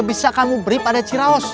tapi kalian berraban nggak takut queens